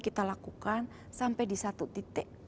kita lakukan sampai di satu titik